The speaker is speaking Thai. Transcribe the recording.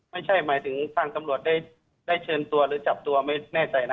ไม่ใช่หมายถึงทางตำรวจได้เชิญตัวหรือจับตัวไม่แน่ใจนะ